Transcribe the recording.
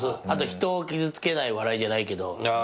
あと人を傷つけない笑いじゃないけど。